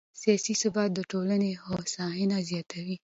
سیاسي ثبات د ټولنې هوساینه زیاتوي